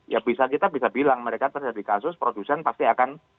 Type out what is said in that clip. ya bisa kita bisa bilang mereka terjadi kasus produsen pasti akan